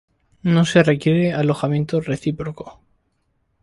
No se requiere alojamiento recíproco.